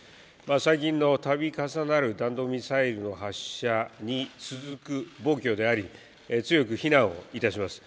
最近のたび重なる弾道ミサイルの発射に続く暴挙であり、強く非難をいたします。